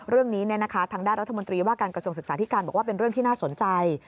เรื่องนี้ทางด้านรัฐมนตรีว่าการกระทรวงศึกษาธิการบอกว่าเป็นเรื่องที่น่าสนใจ